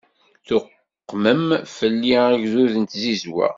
Tuqmem fell-i agdud n tzizwa.